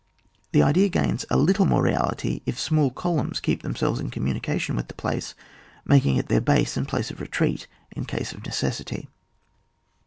The idea gains a little more reality if small columns keep them selves in communication with the place, making it their base and place of retreat in case of necessity.